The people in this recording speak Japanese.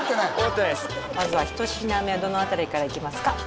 まずは一品目どの辺りからいきますか？